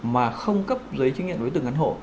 mà không cấp giới chứng nhận với từng căn hộ